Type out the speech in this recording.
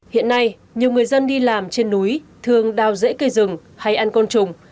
hiện nay nhiều người dân đi làm trên núi thường đào dễ cây rừng hay ăn côn trùng